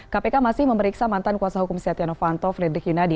kpk masih memeriksa mantan kuasa hukum setia novanto frederick yunadi